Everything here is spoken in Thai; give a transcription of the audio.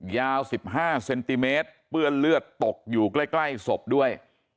ยาว๑๕เซนติเมตรเปื้อนเลือดตกอยู่ใกล้ศพด้วย